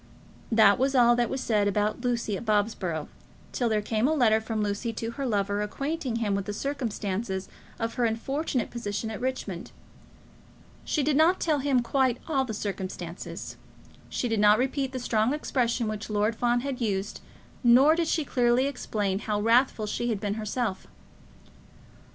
That was all that was said about Lucy at Bobsborough, till there came a letter from Lucy to her lover acquainting him with the circumstances of her unfortunate position at Richmond. She did not tell him quite all the circumstances. She did not repeat the strong expressions which Lord Fawn had used, nor did she clearly explain how wrathful she had been herself.